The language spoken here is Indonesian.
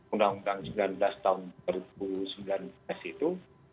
undang undang sembilan belas tahun dua ribu sembilan belas itu